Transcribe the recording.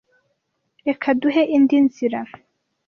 Reka duhe indi nzira.